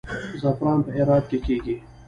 زعفران په هرات کې کیږي